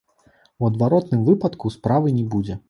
У адваротным выпадку справы не будзе.